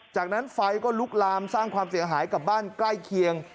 จากนั้นไฟก็ลุกลามสร้างความเสียหายกับบ้านใกล้เคียง